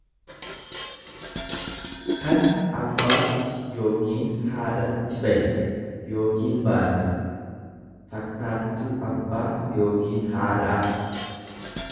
tan abbaatti yookiin haadhatti baye yookiin baate, fakkaattuu abbaa yookiin haadhaa.